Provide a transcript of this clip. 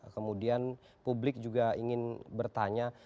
kemudian publik juga ingin bertanya